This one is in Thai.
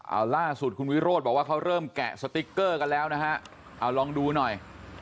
เอาล่าสุดคุณวิโรธบอกว่าเขาเริ่มแกะสติ๊กเกอร์กันแล้วนะฮะเอาลองดูหน่อย